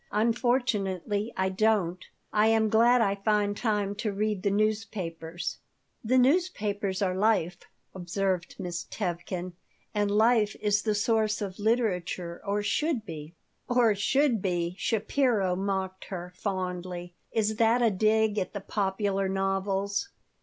"Unfortunately, I don't. I am glad I find time to read the newspapers "The newspapers are life," observed Miss Tevkin, "and life is the source of literature, or should be." "'Or should be!'" Shapiro mocked her, fondly. "Is that a dig at the popular novels?"